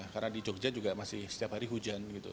karena di yogyakarta juga masih setiap hari hujan